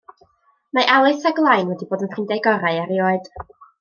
Mae Alys a Glain wedi bod yn ffrindiau gorau erioed.